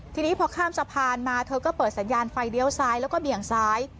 ทีนี้พอข้ามสะพานมาเธอก็เปิดสัญญาณไฟเลี้ยวซ้ายแล้วก็เบี่ยงซ้าย